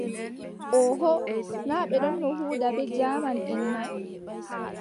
Ooho, naa ɓe ɗonno huuda bee jaamanʼen may.